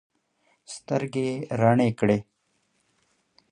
سترګې یې رڼې کړې.